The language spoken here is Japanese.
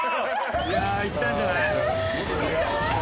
いやあいったんじゃない？